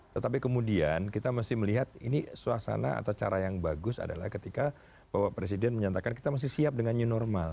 tetapi kemudian kita mesti melihat ini suasana atau cara yang bagus adalah ketika bapak presiden menyatakan kita masih siap dengan new normal